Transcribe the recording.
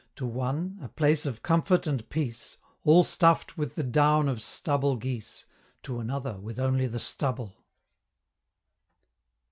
To one, a place of comfort and peace, All stuff'd with the down of stubble geese, To another with only the stubble!